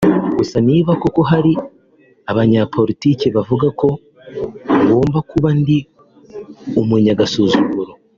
Gusa niba koko hari abanyapolitiki bavuga ko ngomba kuba ndi umunyagasuzuguro